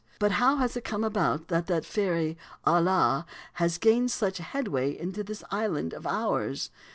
But how has it come about that the fairy "Ala" has gained such headway in this island of ours?